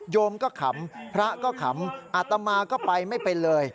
โมก็ขำพระก็ขำอาตมาก็ไปไม่เป็นเลย